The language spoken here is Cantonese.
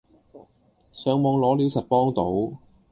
上網攞料實幫到